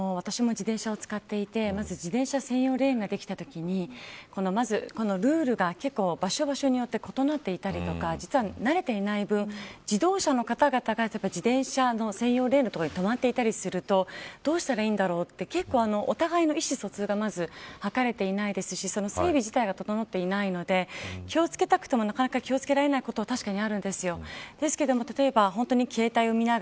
私も自転車を使っていてまず自転車専用レーンができたときにルールが場所場所で異なっていたりとか実は、慣れていない分自動車の方々が自転車専用レーンの所に止まっていたりするとどうしたらいいんだろうとお互いの意思疎通がまず、はかれていないですし制度自体が整っていないので気を付けたくても気を付けられないことがあるんです。